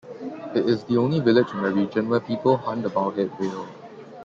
It is the only village in the region where people hunt the bowhead whale.